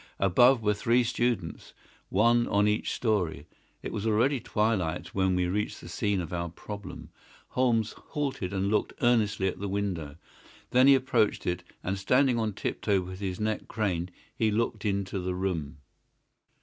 Above were three students, one on each story. It was already twilight when we reached the scene of our problem. Holmes halted and looked earnestly at the window. Then he approached it, and, standing on tiptoe with his neck craned, he looked into the room.